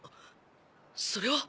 それは！